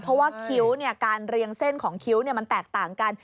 เพราะว่าคนที่สักคิ้วการเรียงเส้นของมันแตกต่างกัน